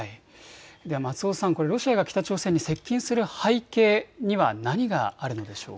松尾さん、ロシアが北朝鮮に接近する背景は何があるでしょうか。